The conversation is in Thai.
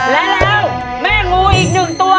และแล้วแม่งูอีกหนึ่งตัว